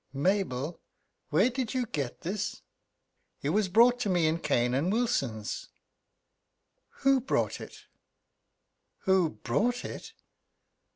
"Mabel, where did you get this?" "It was brought to me in Cane and Wilson's." "Who brought it?" "Who brought it?